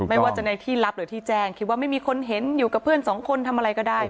ไม่ว่าจะในที่ลับหรือที่แจ้งคิดว่าไม่มีคนเห็นอยู่กับเพื่อนสองคนทำอะไรก็ได้